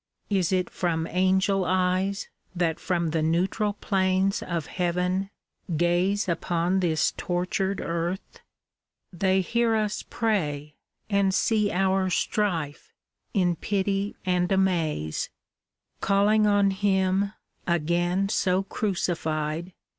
Is it from Angel eyes That from the neutral plains of Heaven gaze Upon this tortured earth? They hear us pray. And see our strife, in pity and amaze ; Calling on Him, again so crucified.